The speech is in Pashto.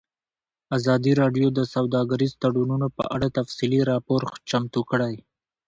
ازادي راډیو د سوداګریز تړونونه په اړه تفصیلي راپور چمتو کړی.